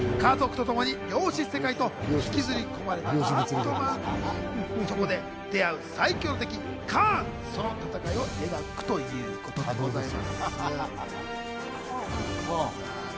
家族とともに量子世界に引きずり込まれたアントマンと、そこで出会う最凶の敵・カーンのその戦いを描くということでございます。